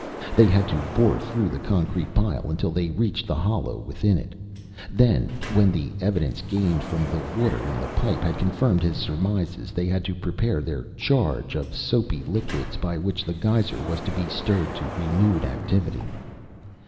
They had to bore through the concrete pile until they reached the hollow within it. Then, when the evidence gained from the water in the pipe had confirmed his surmises, they had to prepare their "charge" of soapy liquids by which the geyser was to be stirred to renewed activity.